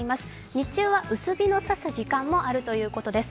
日中は薄日のさす時間もあるということです。